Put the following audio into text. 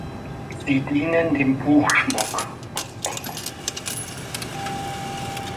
Sie dienen dem Buchschmuck.